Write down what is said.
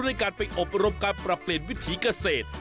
ด้วยการไปอบรมการปรับเปลี่ยนวิถีเกษตร